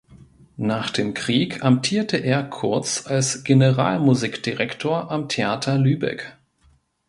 Nach dem Krieg amtierte er kurz als Generalmusikdirektor am Theater Lübeck.